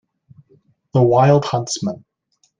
The wild huntsman.